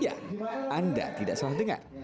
ya anda tidak salah dengar